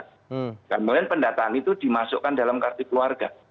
kemudian pendataan itu dimasukkan dalam kartu keluarga